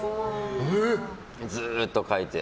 ずっと書いて。